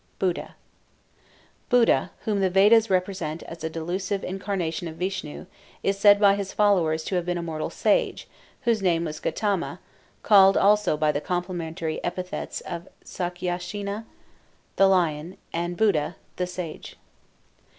BUDDHA Buddha, whom the Vedas represent as a delusive incarnation of Vishnu, is said by his followers to have been a mortal sage, whose name was Gautama, called also by the complimentary epithets of Sakyasinha, the Lion, and Buddha, the Sage.